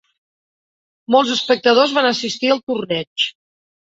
Molts espectadors van assistir al torneig.